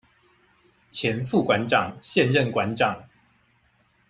前副館長、現任館長